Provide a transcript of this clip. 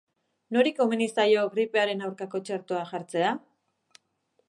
Nori komeni zaio gripearen aurkako txertoa jartzea?